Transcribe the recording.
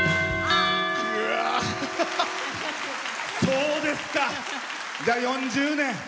そうですか、４０年。